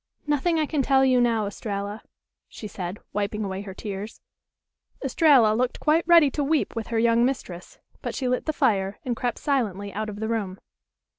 "Nothing I can tell you now, Estralla," she said, wiping away her tears. Estralla looked quite ready to weep with her young mistress, but she lit the fire, and crept silently out of the room.